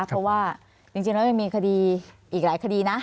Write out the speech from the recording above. เพราะว่าจริงแล้วยังมีคดีอีกหลายคดีนะ